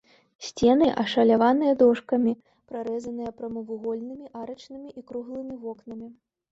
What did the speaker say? Сцены ашаляваныя дошкамі, прарэзаныя прамавугольнымі арачнымі і круглымі вокнамі.